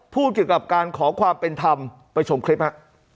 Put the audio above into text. พูดเกี่ยวกับการขอความเป็นธรรมไปชมคลิปฮะ